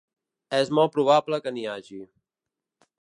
És molt probable que n’hi hagi.